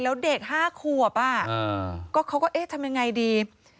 แล้วเด็ก๕ขวบเขาก็เอ๊ะทำยังไงดี